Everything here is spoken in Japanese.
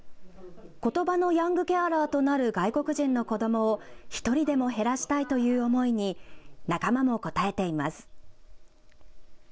ことばのヤングケアラーとなる外国人の子どもを１人でも減らしたいという思いに仲間も応えています。